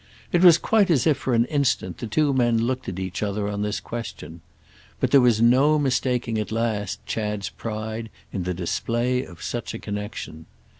It was quite as if for an instant the two men looked at each other on this question. But there was no mistaking at last Chad's pride in the display of such a connexion.